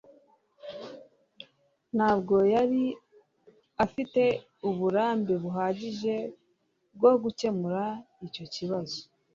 ntabwo yari afite uburambe buhagije bwo gukemura icyo kibazo